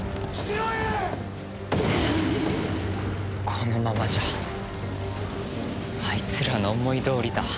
このままじゃあいつらの思いどおりだ。